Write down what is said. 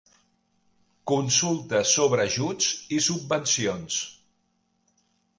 Consultes sobre ajuts i subvencions.